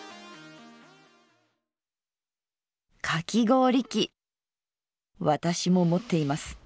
かき氷器私も持っています。